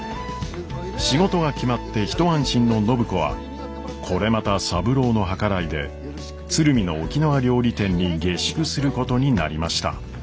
仕事が決まって一安心の暢子はこれまた三郎の計らいで鶴見の沖縄料理店に下宿することになりました。